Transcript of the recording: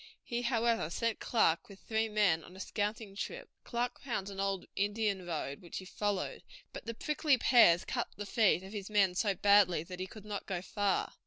He, however, sent Clark with three men on a scouting trip. Clark found an old Indian road, which he followed, but the prickly pears cut the feet of his men so badly that he could not go far.